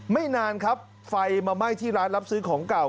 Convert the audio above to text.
ไม่นานครับไฟมาไหม้ที่ร้านรับซื้อของเก่า